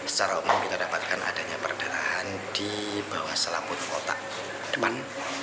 secara umum kita dapatkan adanya perdarahan di bawah selaput otak depan